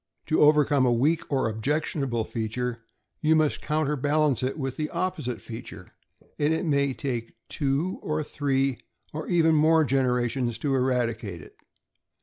To overcome a weak or objectionable feature, you must counter balance it with the opposite feature; and it may take two or three, or even more generations, to eradicate it.